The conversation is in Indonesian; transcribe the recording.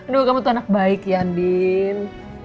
doa kamu tuh anak baik ya andin